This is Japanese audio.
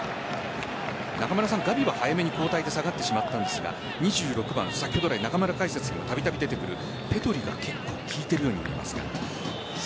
ガヴィは早めに交代で下がってしまったんですが２６番、中村解説にもたびたび出てくるペドリが結構効いているように見えますが。